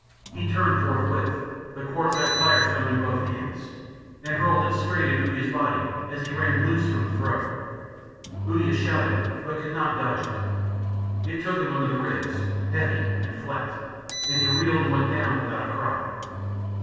He turned forthwith, the quartzite Fire Stone in both hands, and hurled it straight at Uya's body as he ran loose from the throw. Uya shouted, but could not dodge it. It took him under the ribs, heavy and flat, and he reeled and went down without a cry.